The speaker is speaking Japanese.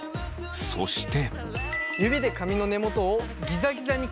そして。